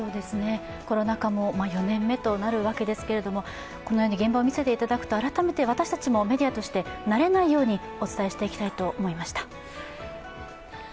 コロナ禍も４年目となるわけですけれども、このように現場を見せていただくと、改めて私たちもメディアとして慣れないようにお伝えしていきたいと思いました。